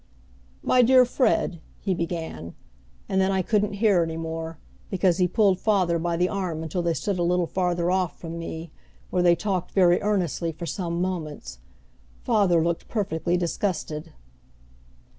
"My dear Fred," he began; and then I couldn't hear any more, because he pulled father by the arm until they stood a little farther off from me, where they talked very earnestly for some moments. Father looked perfectly disgusted.